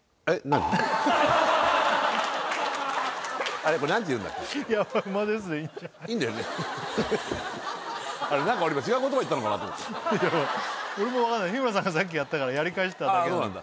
あれなんか俺今いや俺もわかんない日村さんがさっきやったからやり返しただけなのそうなんだ